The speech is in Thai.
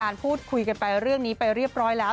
พูดคุยกันไปเรื่องนี้ไปเรียบร้อยแล้ว